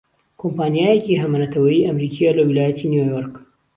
کۆمپانیایەکی هەمەنەتەوەیی ئەمریکییە لە ویلایەتی نیویۆرک